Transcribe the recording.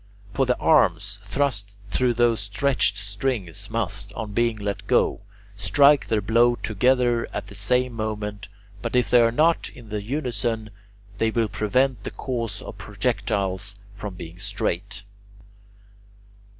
For the arms thrust through those stretched strings must, on being let go, strike their blow together at the same moment; but if they are not in unison, they will prevent the course of projectiles from being straight.